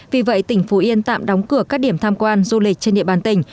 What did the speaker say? vì vậy tỉnh phú yên tạm đóng cửa các điểm tham quan du lịch trên địa bàn tỉnh